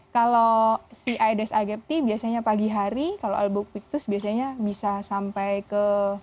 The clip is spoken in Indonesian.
kalau si aedes aegypti biasanya pagi hari kalau albopictus biasanya bisa sampai ke